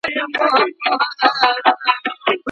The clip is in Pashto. قاچاقي درمل څنګه بازار ته راځي؟